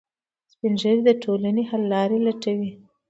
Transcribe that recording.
سپین ږیری د ټولنې د حل لارې لټوي